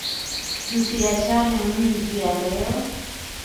Tusiachane mu njia leo